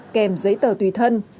kèm giấy tờ tùy thân